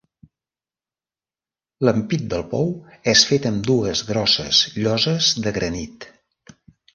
L'ampit del pou és fet amb dues grosses lloses de granit.